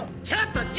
ちょっと！